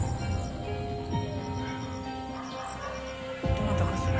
どなたかしら？